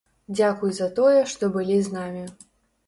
Дзякуй за тое, што былі з намі.